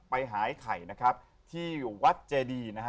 ไปหาไอ้ไข่นะครับที่วัดเจดีนะฮะ